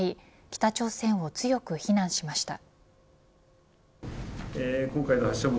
北朝鮮を強く非難しました。